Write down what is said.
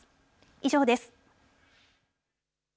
以上です。